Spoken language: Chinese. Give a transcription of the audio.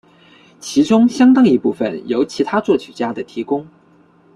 其中相当一部分由其他作曲家的提供。